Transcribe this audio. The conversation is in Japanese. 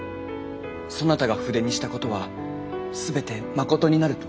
そなたが筆にしたことは全てまことになると？